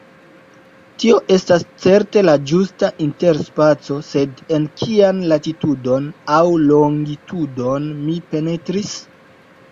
Tio estas certe la ĝusta interspaco, sed en kian latitudon aŭ longitudon mi penetris?